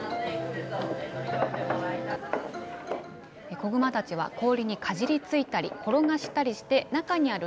子グマたちは氷にかじりついたり転がしたりして中にある